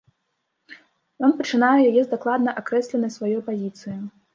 Ён пачынае яе з дакладна акрэсленай сваёй пазіцыі.